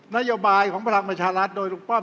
นโยบายของภารกิจชาติรัฐโดยลูกป้อม